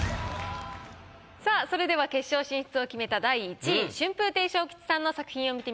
さあそれでは決勝進出を決めた第１位春風亭昇吉さんの作品を見てみましょう。